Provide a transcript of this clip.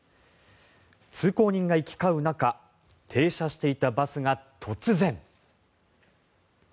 通行人が行き交う中停車していたバスが突然。